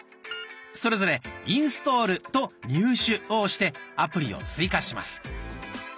それぞれ「インストール」と「入手」を押してアプリを追加します。